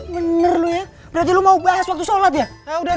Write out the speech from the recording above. bener lu ya berarti lu mau bahas waktu sholat ya